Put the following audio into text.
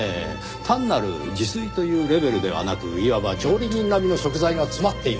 単なる自炊というレベルではなくいわば調理人並みの食材が詰まっています。